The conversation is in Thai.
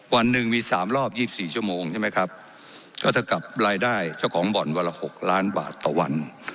วันหนึ่งมีสามรอบยี่สิบสี่ชั่วโมงใช่ไหมครับก็ถ้ากลับรายได้เจ้าของบ่อนเวลาหกล้านบาทต่อวัน